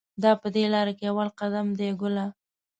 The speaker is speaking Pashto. دا په دې لار کې اول قدم دی ګله.